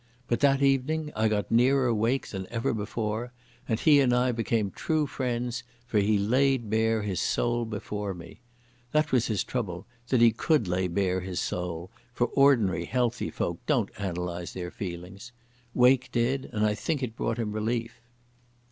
But that evening I got nearer Wake than ever before, and he and I became true friends, for he laid bare his soul before me. That was his trouble, that he could lay bare his soul, for ordinary healthy folk don't analyse their feelings. Wake did, and I think it brought him relief.